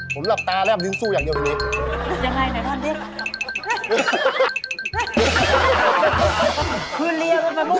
ผมหลับตาแล้วริ้มสู้อย่างเดียวทีนี้